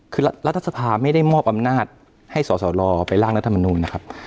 คือรัฐสภาไม่ได้มอบอำนาจให้สสลไปร่างรัฐมนูลนะครับ